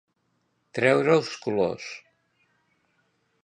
Treure els colors.